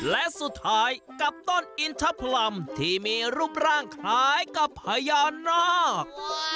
และสุดท้ายกับต้นอินทพรรมที่มีรูปร่างคล้ายกับพญานาค